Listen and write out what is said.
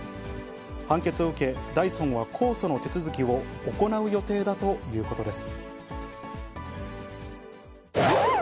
判決を受け、ダイソンは控訴の手続きを行う予定だということです。